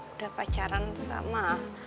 udah pacaran sama